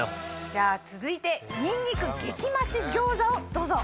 じゃあ続いてにんにく激増し餃子をどうぞ。